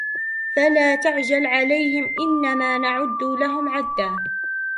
فلا تعجل عليهم إنما نعد لهم عدا